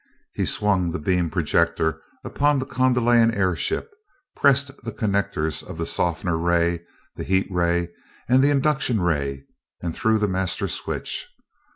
He swung the beam projector upon the Kondalian airship, pressed the connectors of the softener ray, the heat ray, and the induction ray, and threw the master switch.